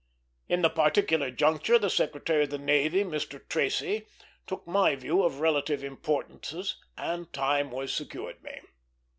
In the particular juncture, the Secretary of the Navy, Mr. Tracy, took my view of relative importances, and time was secured me.